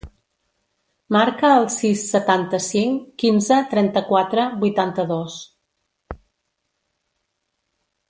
Marca el sis, setanta-cinc, quinze, trenta-quatre, vuitanta-dos.